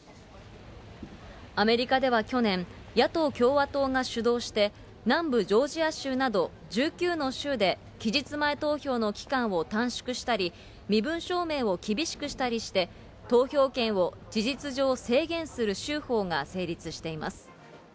アメリカでは去年、野党・共和党が主導して、南部ジョージア州など、１９の州で期日前投票の期間を短縮したり、身分証明を厳しくしたりして、投票権を事実上、制限する州法が成立しています。